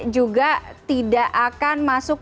juga tidak akan masuk